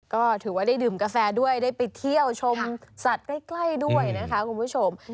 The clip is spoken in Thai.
ก็ถือว่าได้ดื่มกาแฟด้วยได้ไปเที่ยวชมสัตว์ใกล้ด้วยนะคะคุณผู้ชม